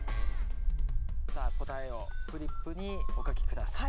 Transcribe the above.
さあ答えをフリップにお書き下さい。